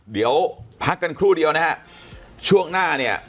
เดี๋ยวพักกันครู่เดียวนะฮะช่วงหน้าเนี่ย